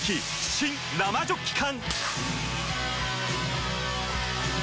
新・生ジョッキ缶！